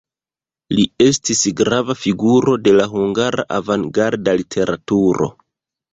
Li estis grava figuro de la hungara avangarda literaturo.